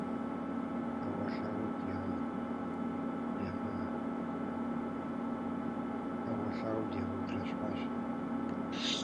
Ӏэуэлъауэм дигъэундэрэщхъуащ.